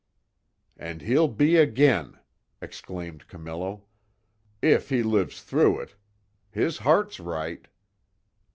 "An' he'll be agin'!" exclaimed Camillo, "If he lives through it. His heart's right."